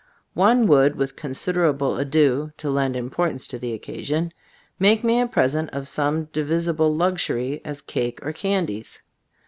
One would, with considerable ado (to lend importance to the occasion), make me a present of some divisible luxury, as cake or candies.